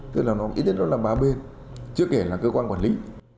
tức là nó nghĩ đến đó là ba bên trước kể là cơ quan quản lý